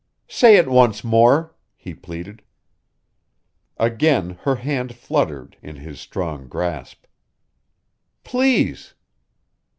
"Say it once more," he pleaded. Again her hand fluttered in his strong grasp. "Please!"